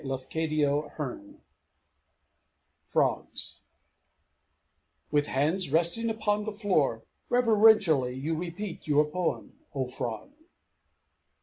Frogs "With hands resting upon the floor, reverentially you repeat your poem, O frog!"